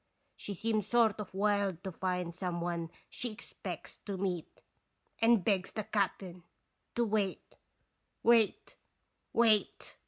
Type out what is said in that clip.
She seems sort of wild to find some one she expects to meet, and begs the cap'n to wait wait wait!